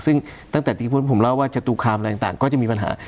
ซึ่งตั้งแต่ที่ผมเล่าว่าจตุคามอะไรต่างก็จะมีปัญหา